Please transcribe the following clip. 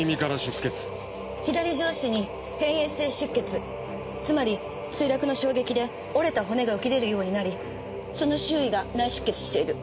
左上肢に辺縁性出血つまり墜落の衝撃で折れた骨が浮き出るようになりその周囲が内出血している。